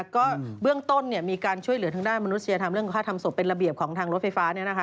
ก็เบื้องต้นมีการช่วยเหลือทางด้านมนุษยธรรมเรื่องค่าทำศพเป็นระเบียบของทางรถไฟฟ้า